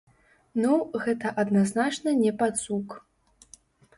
Ну, гэта адназначна не пацук.